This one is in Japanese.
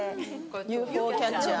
ＵＦＯキャッチャー？